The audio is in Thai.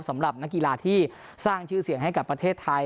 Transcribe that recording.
สำหรับนักกีฬาที่สร้างชื่อเสียงให้กับประเทศไทย